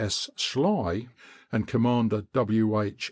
S. Schley and Commander W. H.